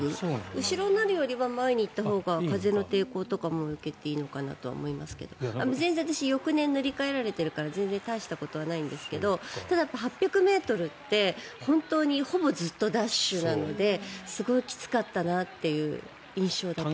後ろになるよりは前に行ったほうが風の抵抗とかも受けていいのかなと思いますが全然私、翌年塗り替えられてるから大したことないんですがただ、８００ｍって本当にほぼずっとダッシュなのですごいきつかったなという印象だったので。